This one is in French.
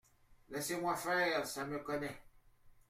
Laissez-moi faire, ça me connaît !